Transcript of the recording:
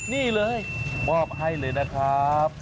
นี่เลยมอบให้เลยนะครับ